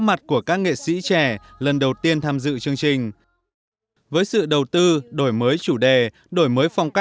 mặt của các nghệ sĩ trẻ lần đầu tiên tham dự chương trình với sự đầu tư đổi mới chủ đề đổi mới